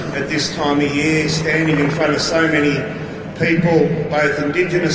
beragama indigen dan tidak indigen